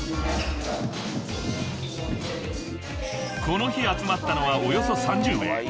［この日集まったのはおよそ３０名］